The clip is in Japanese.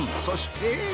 そして。